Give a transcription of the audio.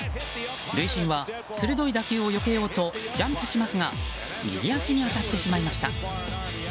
塁審は鋭い打球をよけようとジャンプしますが右足に当たってしまいました。